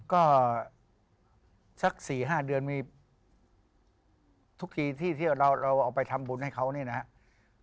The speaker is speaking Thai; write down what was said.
ก็สัก๔๕เดือนมีทุกทีที่เราเอาไปทำบุญให้เขานี่นะครับ